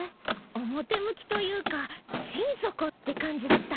表向きというか心底って感じだった。